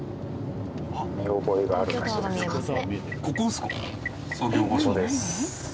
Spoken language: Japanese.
作業場所です。